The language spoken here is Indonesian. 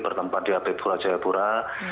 bertempat di habib kulajaya pura